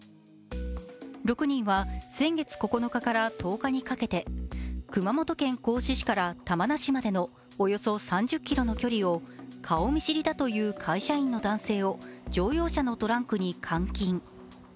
６人は先月９日から１０日にかけて熊本県合志市から玉名市までのおよそ３０ｋｍの距離を顔見知りだという会社員の男性を乗用車のトラックに監禁。